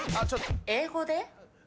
英語で？